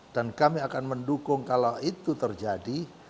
dan kami akan mendukung kalau itu terjadi